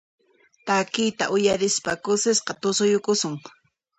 Takiqta uyarispa kusisqa tusuyukusun.